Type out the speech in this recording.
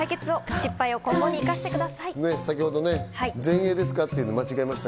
先ほど全英ですか？っていうの間違えました。